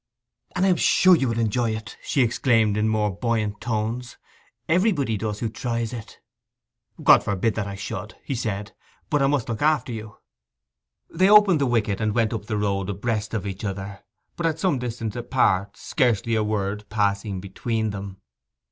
'And I am sure you will enjoy it!' she exclaimed in more buoyant tones. 'Everybody does who tries it.' 'God forbid that I should!' he said. 'But I must look after you.' They opened the wicket and went up the road abreast of each other, but at some distance apart, scarcely a word passing between them.